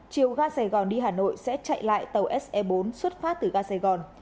chiều ga sài gòn đi hà nội sẽ chạy lại tàu se bốn xuất phát từ ga sài gòn